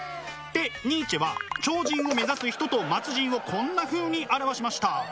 でニーチェは超人を目指す人と末人をこんなふうに表しました。